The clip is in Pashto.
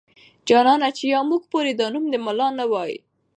جانانه چې يا موږ پورې دا نوم د ملا نه واي.